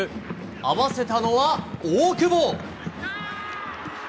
合わせたのは大久保！